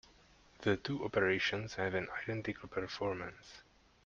The two operations have an identical performance.